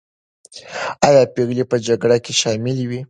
آیا پېغلې په جګړه کې شاملي وې؟